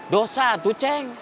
dosa tuh ceng